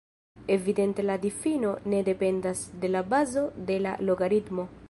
Evidente la difino ne dependas de la bazo de la logaritmo.